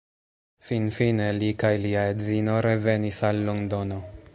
Finfine li kaj lia edzino revenis al Londono.